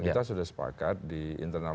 kita sudah sepakat di internal